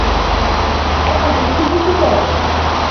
أنا أكتب كتاباً.